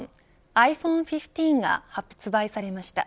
ｉＰｈｏｎｅ１５が発売されました。